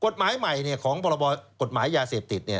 แต่ของประบบกฎหมายยาเสพติด